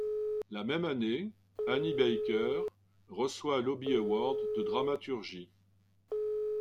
La même année, Annie Baker reçoit l'Obie Award de dramaturgie.